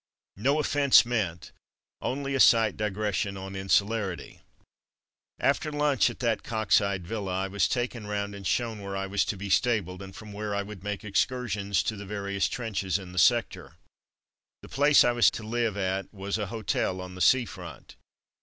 No offence meant — only a slight digres sion on insularity. After lunch at that Coxyde villa, I was taken round and shown where I was to be stabled, and from where I would make excursions to the various trenches in the sector. The place I was to live at was a hotel on the sea front.